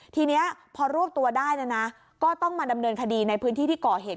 ทีนี้พอรวบตัวได้ก็ต้องมาดำเนินคดีในพื้นที่ที่ก่อเหตุ